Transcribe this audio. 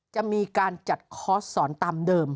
จะมีการจัดคอร์สสอนตามเดิม